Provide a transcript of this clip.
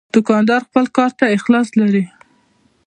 دوکاندار خپل کار ته اخلاص لري.